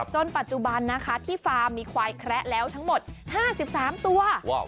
จนปัจจุบันนะคะที่ฟาร์มมีควายแคระแล้วทั้งหมด๕๓ตัว